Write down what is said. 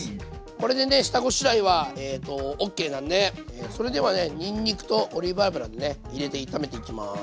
これでね下ごしらえはオッケーなんでそれではねにんにくとオリーブ油でね入れて炒めていきます。